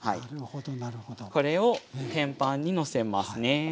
これを天板にのせますね。